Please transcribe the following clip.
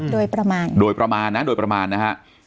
โดยประมาณโดยประมาณนะโดยประมาณนะฮะ